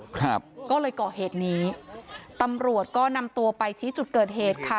ครับก็เลยก่อเหตุนี้ตำรวจก็นำตัวไปชี้จุดเกิดเหตุค่ะ